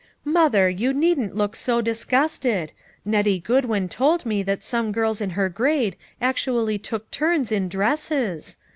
Mother, you needn't look so disgusted; Nettie Goodwin told me that some girls in her grade actually took turns in dresses.